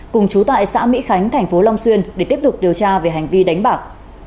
cùng chú tại xã mỹ khánh thành phố long xuyên để tiếp tục điều tra về hành vi đánh bạc